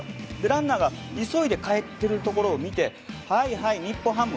ランナーが、急いで帰っているところを見てはいはい、日本ハム